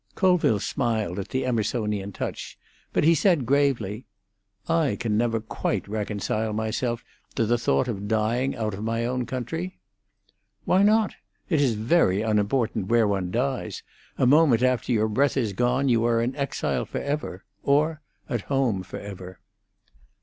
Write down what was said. Colville smiled at the Emersonian touch, but he said gravely, "I can never quite reconcile myself to the thought of dying out of my own country." "Why not? It is very unimportant where one dies. A moment after your breath is gone you are in exile for ever—or at home for ever."